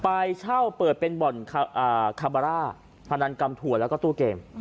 ไปเช่าเปิดเป็นบ่อนคาบาร่าพนันกำถั่วแล้วก็ตู้เกม